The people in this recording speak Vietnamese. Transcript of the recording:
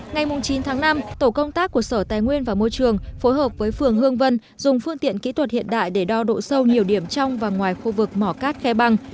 ngày chín tháng năm tổ công tác của sở tài nguyên và môi trường phối hợp với phường hương vân dùng phương tiện kỹ thuật hiện đại để đo độ sâu nhiều điểm trong và ngoài khu vực mỏ cát khe băng